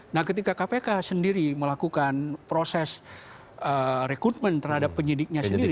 nah ketika kpk sendiri melakukan proses rekrutmen terhadap penyidiknya sendiri